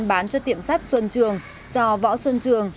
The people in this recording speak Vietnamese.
bán cho tiệm sắt xuân trường do võ xuân trường